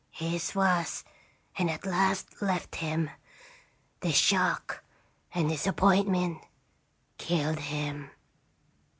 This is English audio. His was, and at last left him. This shock,, and disappointment, killed him."